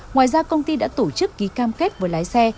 ngoài ra công ty đã tổ chức ký cam kết với lái xe